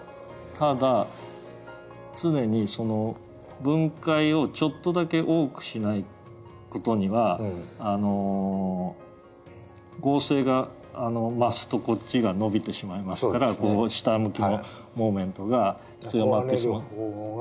ただ常にその分解をちょっとだけ多くしない事にはあの合成が増すとこっちが伸びてしまいますからこう下向きのモーメントが強まってしまって。